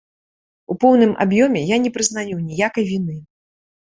У поўным аб'ёме я не прызнаю ніякай віны.